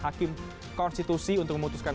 hakim konstitusi untuk memutuskan